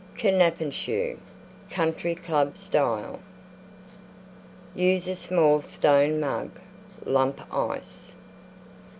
KNABENSCHUE Country Club Style Use a small stone Mug; Lump Ice.